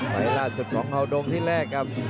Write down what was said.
ล่าสุดของเฮาดงที่แรกครับ